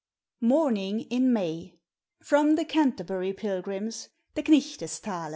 MORNING IN MAY.* FROM "THE CANTERBURY PILGRIMS: THE KNIGHTES TALK."